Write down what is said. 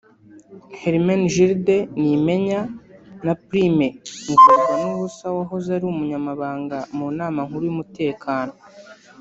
Helmenegilde Nimenya na Prime Ngorwanubusa wahoze ari umunyamabanga mu nama nkuru y’umutekano